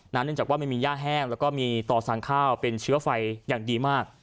เนื่องจากว่าไม่มีย่าแห้งแล้วก็มีต่อสั่งข้าวเป็นเชื้อไฟอย่างดีมาก